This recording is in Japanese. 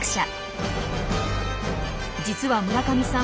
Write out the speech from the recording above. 実は村上さん